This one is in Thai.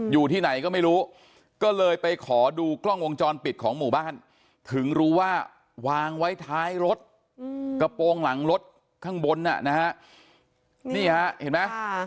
อยู่ที่ไหนก็ไม่รู้ก็เลยไปขอดูกล้องวงจรปิดของหมู่บ้านถึงรู้ว่าวางไว้ท้ายรถกระโปรงหลังรถข้างบนนะฮะนี่ฮะเห็นไหม